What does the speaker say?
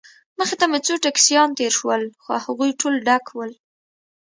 مخې ته مو څو ټکسیان تېر شول، خو هغوی ټول ډک ول.